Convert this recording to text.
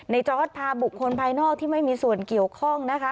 จอร์ดพาบุคคลภายนอกที่ไม่มีส่วนเกี่ยวข้องนะคะ